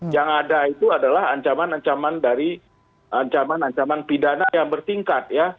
yang ada itu adalah ancaman ancaman dari ancaman ancaman pidana yang bertingkat ya